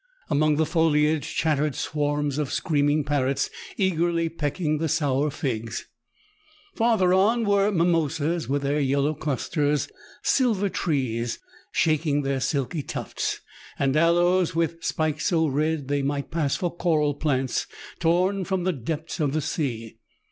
Among the foliage chattered swarms of scream ing parrots, eagerly pecking the sour figs. Farther on were mimosas with their yellow clusters, " silver trees," shaking their silky tufts, and aloes with spikes so red that they might pass for coral plants torn from the depths of the sea.